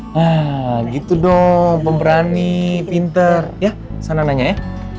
nah gitu dong pemberani pinter ya sana nanya ya